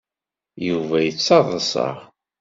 Yuba yettaḍsa.